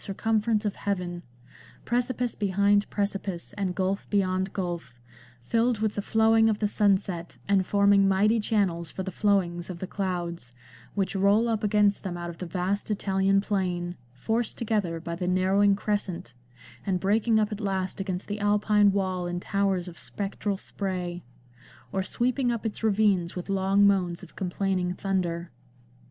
circumference of heaven ; precipice behind precipice, and gulf beyond gulf, filled with the flowing of the sunset, and forming mighty channels for the flowings of the clouds, which roll up against them out of the vast Italian plain, forced together by the narrowing crescent, and breaking up at last against the Alpine wall in towers of spectral spray ; or sweeping up its ravines with long moans of complaining thunder."